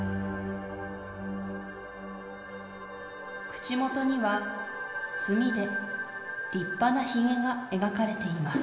「口元には墨で立派なひげが描かれています」。